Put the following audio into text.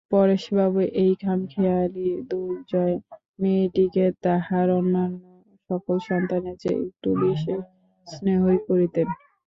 পরেশবাবু এই খামখেয়ালি দুর্জয় মেয়েটিকে তাঁহার অন্যান্য সকল সন্তানের চেয়ে একটু বিশেষ স্নেহই করিতেন।